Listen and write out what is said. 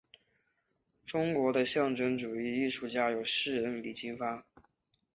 中国的象征主义艺术家有诗人李金发。